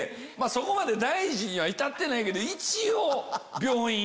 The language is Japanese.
そこまで大事には至ってないけど。